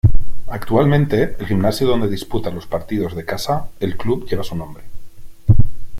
Actualmente, el gimnasio donde disputa los partidos de casa el club lleva su nombre.